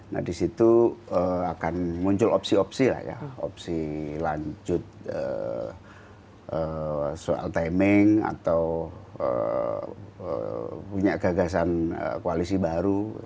nah disitu akan muncul opsi opsi lah ya opsi lanjut soal timing atau punya gagasan koalisi baru